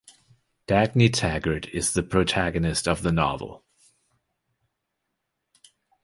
Dagny Taggart is the protagonist of the novel.